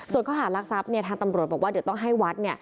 ส่วนข้อหารักทรัพย์ทางตำรวจบอกว่าเดี๋ยวต้องให้วัด